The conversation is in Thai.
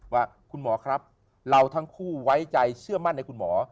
ว่าคุณหมอครับเราทั้งคู่ไว้ใจเชื่อมั่นในคุณหมอ